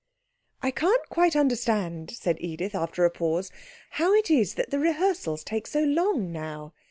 'I can't quite understand,' said Edith, after a pause, 'how it is that the rehearsals take so long now.